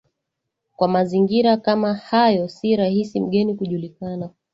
Kwa mazingira kama hayo sio rahisi mgeni kujulikana